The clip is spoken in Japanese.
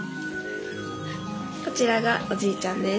こちらがおじいちゃんです。